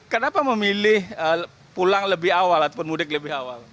kenapa memilih pulang lebih awal ataupun mudik lebih awal